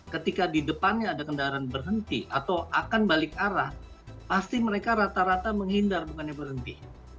ketika di depannya ada kendaraan berhenti atau akan balik arah pasti mereka rata rata menghindar bukannya berhenti